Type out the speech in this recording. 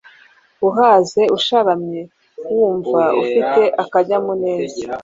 Uhaze usharamye wumva ufite akanyamuneza